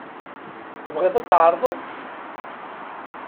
Tebɣiḍ ad tεerḍeḍ-t?